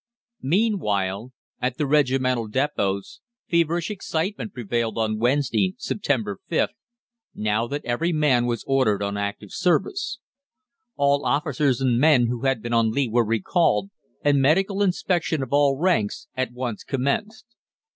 Meanwhile, at the regimental depôts feverish excitement prevailed on Wednesday, September 5, now that every man was ordered on active service. All officers and men who had been on leave were recalled, and medical inspection of all ranks at once commenced.